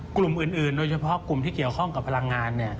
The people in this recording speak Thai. กลุ่มอื่นโดยเฉพาะกลุ่มที่เกี่ยวข้องกับพลังงาน